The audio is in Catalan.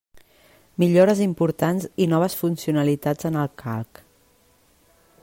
Millores importants i noves funcionalitats en el Calc.